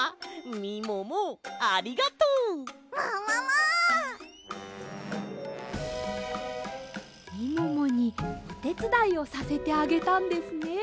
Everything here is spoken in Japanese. みももにおてつだいをさせてあげたんですね？